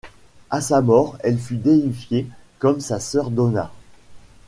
À sa mort, elle fut déifiée comme sa sœur Domna.